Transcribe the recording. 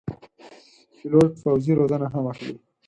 پیلوټ پوځي روزنه هم اخلي.